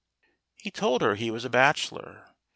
He told her he was a bachelor.